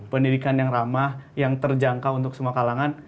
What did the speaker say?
pendidikan yang ramah yang terjangkau untuk semua kalangan